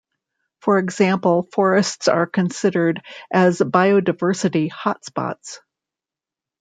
For example forests are considered as biodiversity hotspots.